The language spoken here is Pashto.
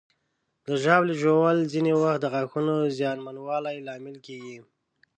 د ژاولې ژوول ځینې وخت د غاښونو زیانمنوالي لامل کېږي.